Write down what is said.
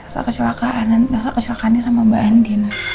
rasa kecelakaan rasa kecelakaannya sama mbak andin